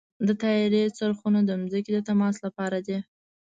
د طیارې څرخونه د ځمکې د تماس لپاره دي.